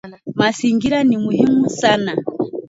Mazingira ni muhimu sana.